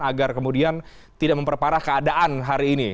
agar kemudian tidak memperparah keadaan hari ini